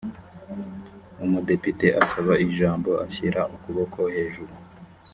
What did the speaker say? umudepite asaba ijambo ashyira ukuboko hejuru.